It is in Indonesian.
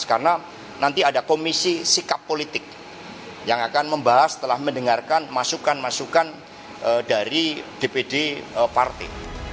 karena nanti ada komisi sikap politik yang akan membahas setelah mendengarkan masukan masukan dari dpd partai